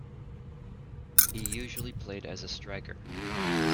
He usually played as a striker.